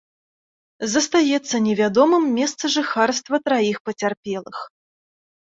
Застаецца невядомым месца жыхарства траіх пацярпелых.